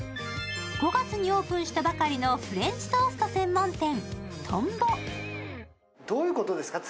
５月にオープンしたばかりのフレンチトースト専門店、１０ｎｂｏ。